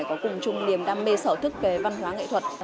có cùng chung niềm đam mê sở thức về văn hóa nghệ thuật